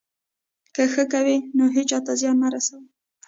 که ښه کوئ، نو هېچا ته زیان مه رسوئ.